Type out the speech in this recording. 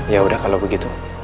ya udah kalau begitu